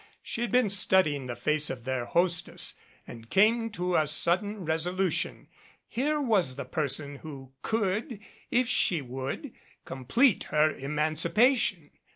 She had been studying the face of their hostess and came to a sudden 117 MADCAP resolution. Here was the person who could, if she would, complete her emancipation.